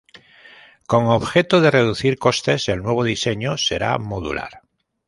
Con objeto de reducir costes, el nuevo diseño será modular.